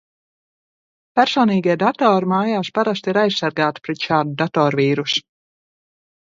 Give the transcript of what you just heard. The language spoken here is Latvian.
Personīgie datori mājās parasti ir aizsargāti pret šādu datorvīrusu.